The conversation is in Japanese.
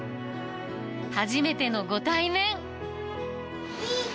初めてのご対面。